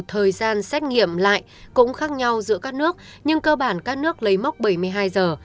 thời gian xét nghiệm lại cũng khác nhau giữa các nước nhưng cơ bản các nước lấy mốc bảy mươi hai giờ